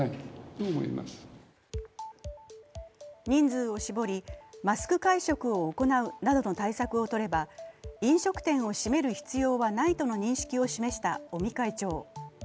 人数を絞り、マスク会食を行うなどの対策を取れば飲食店を閉める必要はないとの認識を示した尾身会長。